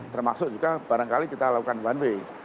termasuk juga barangkali kita lakukan one way